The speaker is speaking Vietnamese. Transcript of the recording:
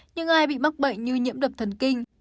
nhưng ai bị mắc bệnh như nhiễm đập thần kinh